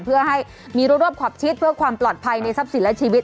เพื่อให้มีรัวขอบชิดเพื่อความปลอดภัยในทรัพย์สินและชีวิต